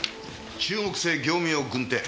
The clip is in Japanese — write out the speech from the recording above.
中国製業務用軍手。